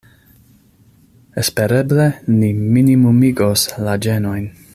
Espereble ni minimumigos la ĝenojn.